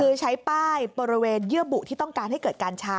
คือใช้ป้ายบริเวณเยื่อบุที่ต้องการให้เกิดการชา